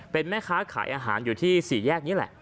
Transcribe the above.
เป็นแม่ค้าขายอาหารอยู่ที่สี่แยกนี้แหละ